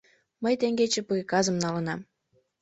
Мый теҥгече приказым налынам.